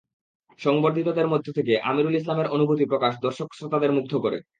সংবর্ধিতদের মধ্যে থেকে আমীরুল ইসলামের অনুভূতি প্রকাশ দর্শক শ্রোতাদের মুগ্ধ করে।